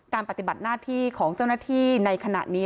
ปฏิบัติหน้าที่ของเจ้าหน้าที่ในขณะนี้